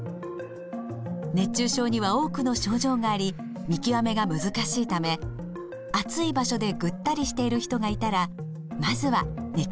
熱中症には多くの症状があり見極めが難しいため暑い場所でぐったりしている人がいたらまずは熱中症を疑いましょう。